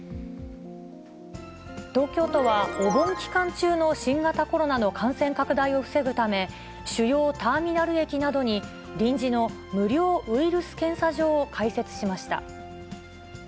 東京都は、お盆期間中の新型コロナの感染拡大を防ぐため、主要ターミナル駅などに、臨時の無料ウイルス検査場を開設しました。